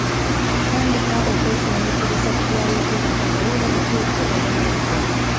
Tandika okwefumiitiriza ku by'ayogera olabe oba bituufu oba nedda.